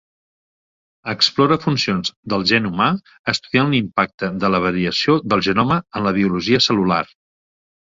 Explora funcions del gen humà estudiant l'impacte de la variació del genoma en la biologia cel·lular.